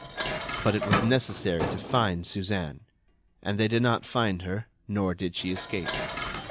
But it was necessary to find Suzanne. And they did not find her, nor did she escape.